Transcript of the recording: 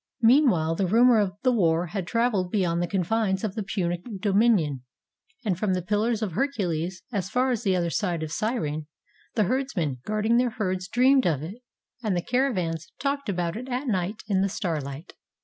Meanwhile the rumor of the war had traveled beyond the confines of the Punic dominion ; and from the Pillars of Hercules, as far as the other side of Cyrene, the herds men guarding their herds dreamed of it, and the cara 278 I THE CUTTING OF THE AQUEDUCT vans talked about it at night in the starlight.